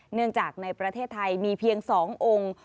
เนื่องจากในประเทศไทยมีเพียง๒องค์